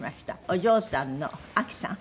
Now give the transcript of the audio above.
お嬢さんの亜紀さん？